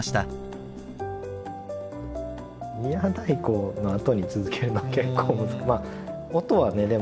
「宮太鼓」のあとに続けるのは結構。